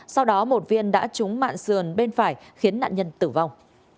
sau đó một viên đã trúng mạng sườn bên phải khiến nạn nhân tử vong